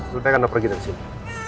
lu tak akan pergi dari sini